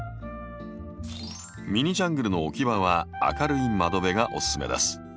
ミニジャングルの置き場は明るい窓辺がおすすめです。